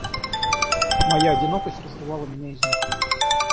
Моя одинокость разрывала меня изнутри.